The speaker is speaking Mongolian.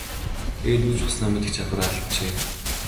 Тэгээд юу ч болсноо мэдэх чадвараа алджээ.